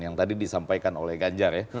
yang tadi disampaikan oleh ganjar ya